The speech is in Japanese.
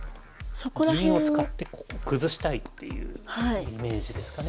銀を使ってここ崩したいっていうイメージですかね。